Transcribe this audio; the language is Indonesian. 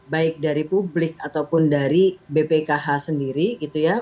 baik dari publik ataupun dari bpkh sendiri gitu ya